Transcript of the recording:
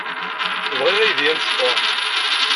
Bɣiɣ aydi amecṭuḥ.